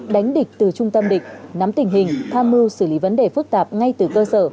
đánh địch từ trung tâm địch nắm tình hình tham mưu xử lý vấn đề phức tạp ngay từ cơ sở